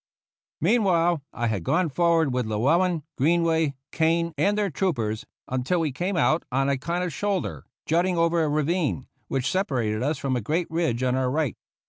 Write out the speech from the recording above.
Meanwhile I had gone forward with Llewellen, Greenway, Kane and their troopers until we came out on a kind of shoulder, jutting over a ravine, which separated us from a great ridge on our right.